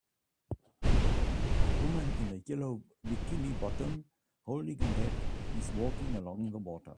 A woman in a yellow bikini bottom, holding a net, is walking along the water.